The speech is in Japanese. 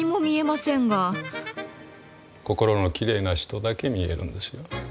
心のきれいな人だけ見えるんですよ。